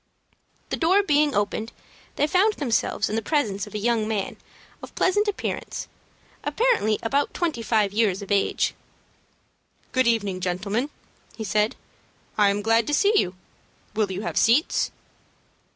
The door being opened, they found themselves in the presence of a young man of pleasant appearance, apparently about twenty five years of age. "Good evening, gentlemen," he said. "I am glad to see you. Will you have seats?"